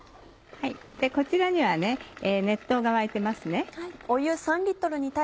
こちらには熱湯が沸いてますね。